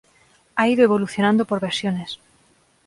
Ha ido evolucionando por versiones.